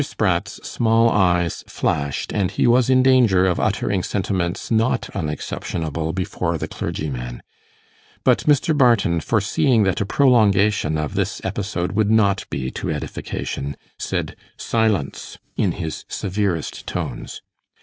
Spratt's small eyes flashed, and he was in danger of uttering sentiments not unexceptionable before the clergyman; but Mr. Barton, foreseeing that a prolongation of this episode would not be to edification, said 'Silence!' in his severest tones.